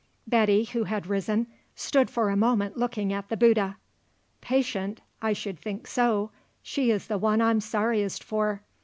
Betty, who had risen, stood for a moment looking at the Bouddha. "Patient? I should think so. She is the one I'm sorriest for.